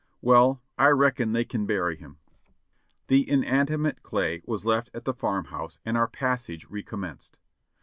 "Well, I reckon they kin bury him." The inanimate clay was left at the farm house and our passage recommenced.